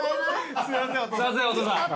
すいませんお父さん。